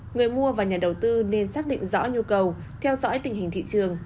người mua và nhà đầu tư nên xác định rõ nhu cầu theo dõi tình hình thị trường